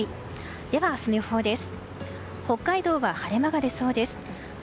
では明日の予報です。